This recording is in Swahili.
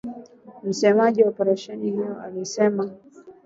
msemaji wa operesheni hiyo alisema